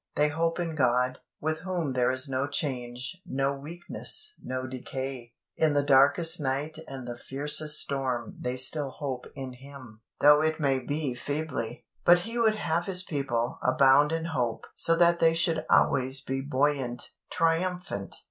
They hope in God, with whom there is no change, no weakness, no decay. In the darkest night and the fiercest storm they still hope in Him, though it may be feebly. But He would have His people "abound in hope" so that they should always be buoyant, triumphant.